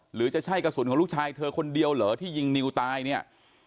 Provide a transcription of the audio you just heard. หรือจะใช่กระสุนของลูกชายเธอคนเดียวเหรอที่ยิงนิวตายเนี่ย